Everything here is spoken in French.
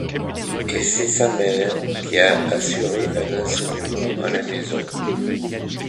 Et c'est sa mère qui a assuré un enseignement à la maison.